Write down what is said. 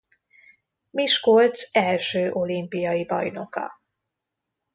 Miskolc első olimpiai bajnoka.